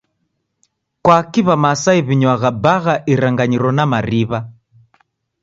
Kwaki W'aMasai w'inywagha bagha iranganyiro na mariw'a?